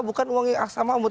bukan uangnya aksa mahmud